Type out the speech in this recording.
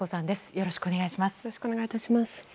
よろしくお願いします。